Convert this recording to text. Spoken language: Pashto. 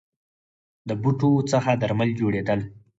د بوټو څخه درمل جوړیدل